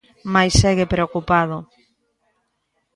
Mais segue preocupado.